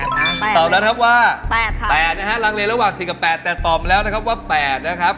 ตอบแล้วครับว่า๘นะฮะลังเลระหว่าง๔กับ๘แต่ตอบมาแล้วนะครับว่า๘นะครับ